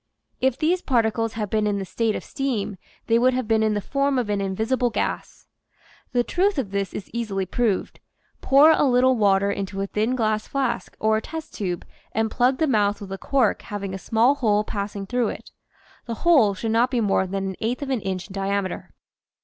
If these particles had been in the state of steam they would have been in the form of an invisible gas. The truth of this is easily proved. Pour a little water into a thin glass flask or a test tube and plug the mouth with a cork having a small hole passing through it. The hole should not be more than an eighth of an inch in diam eter.